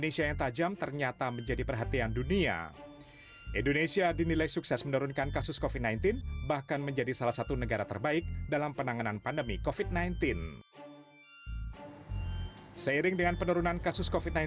seiring dengan penurunan kasus covid sembilan belas